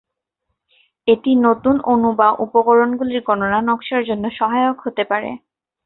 এটি নতুন অণু বা উপকরণগুলির গণনা নকশার জন্য সহায়ক হতে পারে।